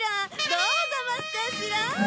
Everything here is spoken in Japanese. どうざますかしら？